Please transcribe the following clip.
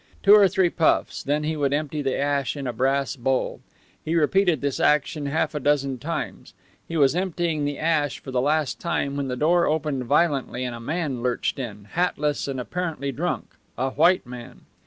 Two or three puffs, then he would empty the ash in a brass bowl. He repeated this action half a dozen times. He was emptying the ash for the last time when the door opened violently and a man lurched in, hatless and apparently drunk a white man.